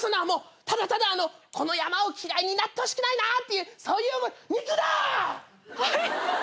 ただただこの山を嫌いになってほしくないそういう肉だ！！